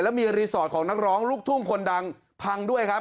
มีรีสอร์ทของนักร้องลูกทุ่งคนดังพังด้วยครับ